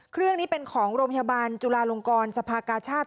เครื่องนี้เป็นของโรงพยาบาลจุลาลงกรสภากาชาติ